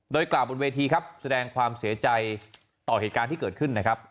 โดยกล่าวบนเวทีครับแสดงความเสียใจต่อเหตุการณ์ที่เกิดขึ้นนะครับ